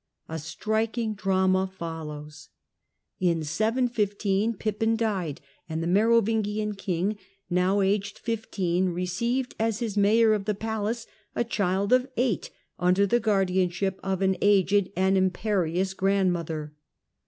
A striking drama follows. In 715 Pippin died, and he Merovingian king, now aged fifteen, received as his Mayor of the Palace a child of eight, under the guardian hip of an aged and imperious grandmother.